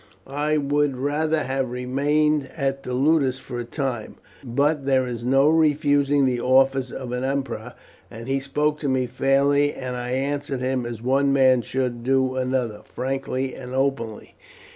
I would rather have remained at the ludus for a time; but there is no refusing the offers of an emperor, and he spoke to me fairly, and I answered him as one man should do another, frankly and openly."